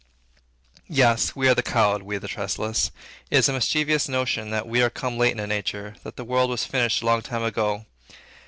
Yes, we are the cowed, we the trustless. It is a mischievous notion that we are come late into nature; that the world was finished a long time ago.